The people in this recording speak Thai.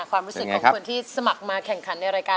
ความรู้สึกของคนที่สมัครมาแข่งขันในรายการ